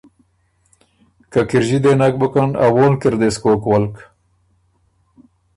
که کِرݫی دې نک بُکن ا وونلک اِر دې سو کوک ولک،